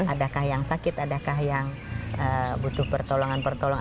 adakah yang sakit adakah yang butuh pertolongan pertolongan